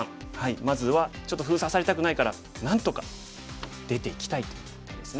まずはちょっと封鎖されたくないからなんとか出ていきたいという手ですね。